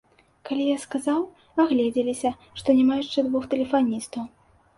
Калі я сказаў, агледзеліся, што няма яшчэ двух тэлефаністаў.